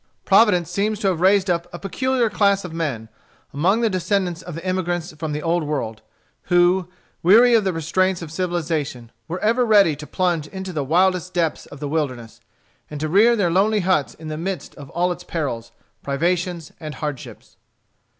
Providence seems to have raised up a peculiar class of men, among the descendants of the emigrants from the Old World, who, weary of the restraints of civilization, were ever ready to plunge into the wildest depths of the wilderness, and to rear their lonely huts in the midst of all its perils, privations, and hardships.